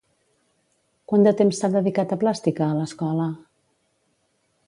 Quant de temps s'ha dedicat a Plàstica a l'escola?